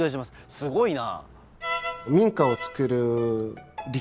すごいな。